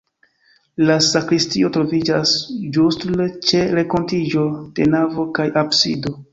La sakristio troviĝas ĝustr ĉe renkontiĝo de navo kaj absido.